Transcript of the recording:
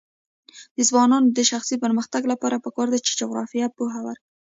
د ځوانانو د شخصي پرمختګ لپاره پکار ده چې جغرافیه پوهه ورکړي.